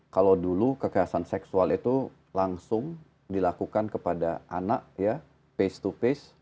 kalau dulu kekerasan seksual itu langsung dilakukan kepada anak ya face to face